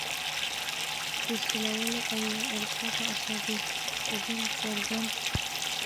د سولولو او یا القاء په اثر برېښنايي کیدل څرګند کړو.